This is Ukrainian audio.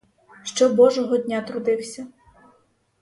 Що божого дня трудився!